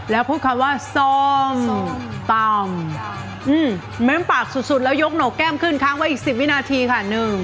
แล้วพูดคำว่าส้มตำแม้มปากสุดแล้วยกโหนกแก้มขึ้นค้างไว้อีก๑๐วินาทีค่ะ